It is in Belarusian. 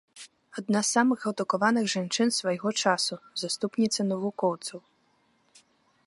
Адна з самых адукаваных жанчын свайго часу, заступніца навукоўцаў.